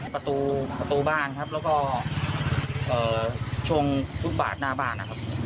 ประตูบ้านแล้วก็ชงทุกบาทหน้าบ้าน